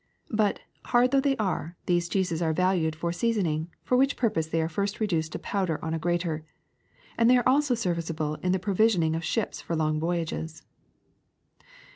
But, hard though they are, these cheeses are valued for season ing, for which purpose they are first reduced to pow der on a grater ; and they are also serviceable in the provisioning of ships for long voyages.